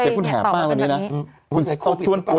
เสียคุณห่า้มากว่านี้นะ